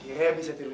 oke bisa tidurin ya